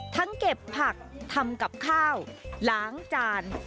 ทั้งเก็บผักทำกับข้าวหลางจาน